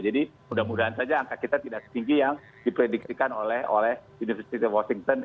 jadi mudah mudahan saja angka kita tidak sepinggi yang diprediktikan oleh university of washington